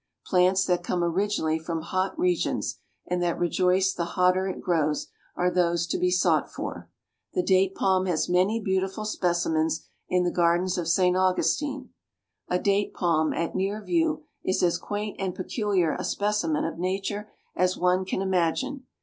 Plants that come originally from hot regions, and that rejoice the hotter it grows, are those to be sought for. The date palm has many beautiful specimens in the gardens of St. Augustine. A date palm, at near view, is as quaint and peculiar a specimen of Nature as one can imagine.